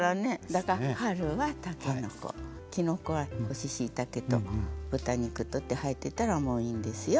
だから春はたけのこきのこは干ししいたけと豚肉とって入ってたらもういいんですよ。